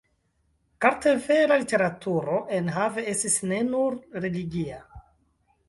Kartvela literaturo enhave estis ne nur religia.